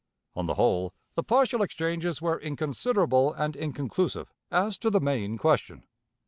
On the whole, the partial exchanges were inconsiderable and inconclusive as to the main question.